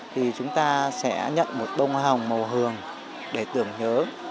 thì chúng ta sẽ nhận một bông hồng màu hường để tưởng nhớ